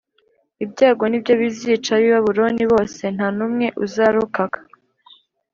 Ibyago Ni byo bizica ab’ibabuloni bose ntanumwe uzarokaka